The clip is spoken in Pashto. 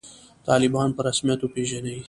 طالبان په رسمیت وپېژنئ